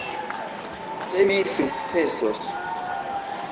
Se mi sukcesos.